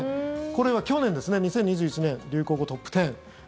これは去年ですね、２０２１年流行語トップ１０。